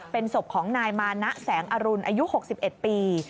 เป็นศพของนายมานะแสงอรุณอายุ๖๑ปี